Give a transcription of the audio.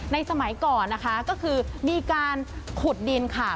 สมัยก่อนนะคะก็คือมีการขุดดินค่ะ